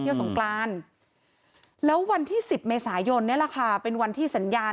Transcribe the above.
สงกรานแล้ววันที่๑๐เมษายนนี่แหละค่ะเป็นวันที่สัญญาณ